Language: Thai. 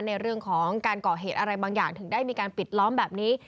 ในเรื่องของการก่อเหตุอะไรบางอย่างถึงได้มีการปิดล้อมแบบนี้